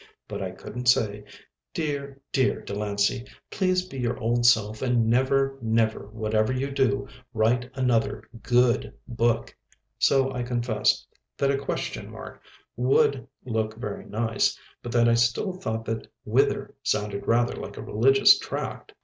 But I couldn't say, "Dear, dear Delancey, please be your old self and never, never, whatever you do, write another 'good' book," so I confessed that a question mark would look very nice, but that I still thought that "Whither" sounded rather like a religious tract.